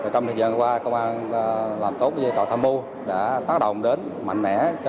trong thời gian qua công an đã làm tốt với cầu tham mưu đã tác động đến mạnh mẽ